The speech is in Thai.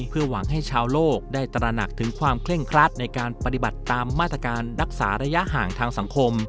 เพื่อหวังให้ชาวโลกได้ตระหนักถึงความเคร่งครัดในการปฏิบัติตามมาตรการรักษาระยะห่างทางสังคม